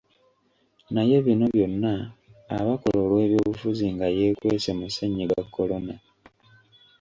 Naye bino byonna abakola olw'ebyobufuzi nga yeekwese mu Ssennyiga Corona.